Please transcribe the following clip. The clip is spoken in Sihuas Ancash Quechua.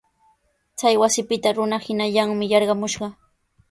Chay wasipita runa hinallanmi yarqamushqa.